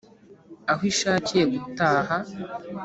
Aho ishakiye gutaha,